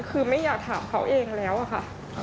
คือไม่อยากถามเขาเองแล้วอะค่ะ